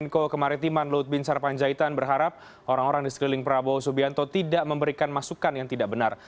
janko kemaritiman luhut binsar panjaitan berharap orang orang di sekeliling prabowo subianto tidak memberikan masukan yang tidak benar